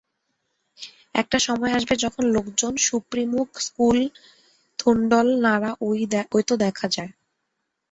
একটা সময় আসবে যখন লোকজন সুপ্রিমুখ স্কুল-থুগুল নাড়া ঐ তো দেখা যায়।